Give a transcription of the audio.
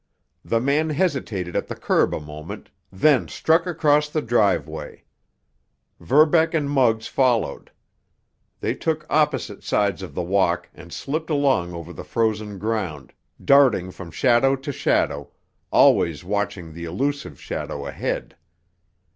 The man hesitated at the curb a moment, then struck across the driveway. Verbeck and Muggs followed. They took opposite sides of the walk and slipped along over the frozen ground, darting from shadow to shadow, always watching the elusive shadow ahead.